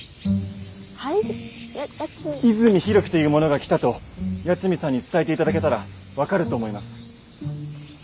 泉飛露樹という者が来たと八海さんに伝えて頂けたら分かると思います。